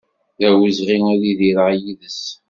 D awezɣi ad idireɣ yid-s